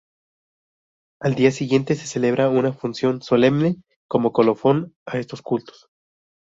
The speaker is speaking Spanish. Al día siguiente se celebra una Función Solemne como colofón a estos cultos.